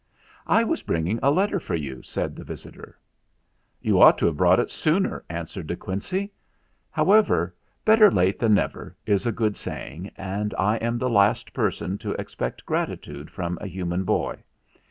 "I was bringing a letter for you," said the visitor. "You ought to have brought it sooner," an swered De Quincey. "However, 'better late than never' is a good saying, and I am the last person to expect gratitude from a human boy.